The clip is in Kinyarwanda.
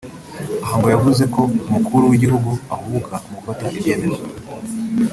Aha ngo yavuze ko “Umukuru w’Igihugu ahubuka mu gufata ibyemezo